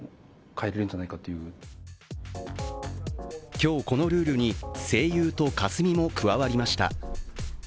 今日、このルールに西友とカスミも加わりました。